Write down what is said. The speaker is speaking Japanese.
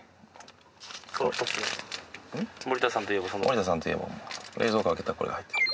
森田さんといえばもう冷蔵庫開けたらこれが入ってる。